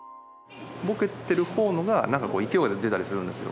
ボケてる方のが何か勢いが出たりするんですよ。